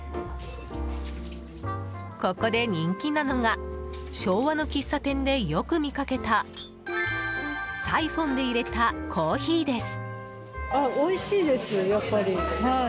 ここで人気なのが昭和の喫茶店でよく見かけたサイフォンでいれたコーヒーです。